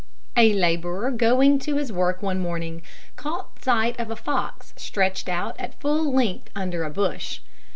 A labourer going to his work one morning, caught sight of a fox stretched out at full length under a bush.